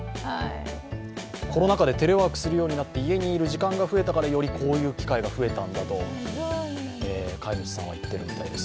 コロナ禍でテレワークするようになって家にいる時間が増えたからよりこういう機会が増えたと飼い主さんは言ってるみたいです。